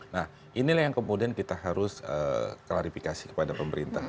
nah inilah yang kemudian kita harus klarifikasi kepada pemerintah